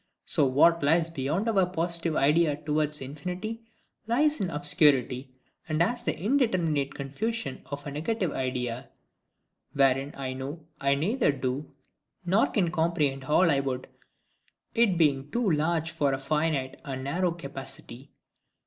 So that what lies beyond our positive idea TOWARDS infinity, lies in obscurity, and has the indeterminate confusion of a negative idea, wherein I know I neither do nor can comprehend all I would, it being too large for a finite and narrow capacity.